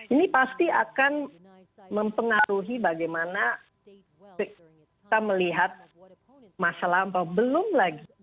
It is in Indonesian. ini pasti akan mempengaruhi bagaimana kita melihat masa lampau belum lagi